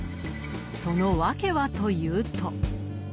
その訳はというと？